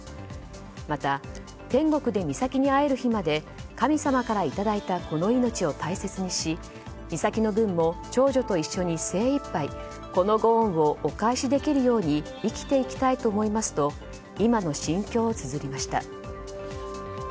また、天国で美咲に会える日まで神様からいただいたこの命を大切にし美咲の分も長女と一緒に精いっぱいこのご恩をお返しできるように生きていきたいと思いますと今の心境をつづりました。